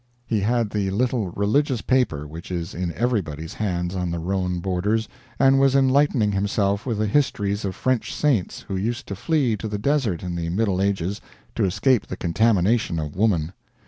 He had the little religious paper which is in everybody's hands on the Rhone borders, and was enlightening himself with the histories of French saints who used to flee to the desert in the Middle Ages to escape the contamination of woman.